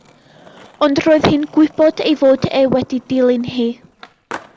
Ond roedd hi'n gwybod ei fod e wedi'i dilyn hi.